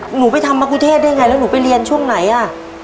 หนูไปทำมะกุเทศได้ไงแล้วหนูไปเรียนช่วงไหนอ่ะ